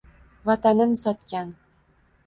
Vatanin sotgan